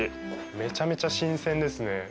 めちゃめちゃ新鮮ですね。